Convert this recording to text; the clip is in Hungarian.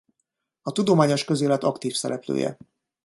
A tudományos közélet aktív szereplője.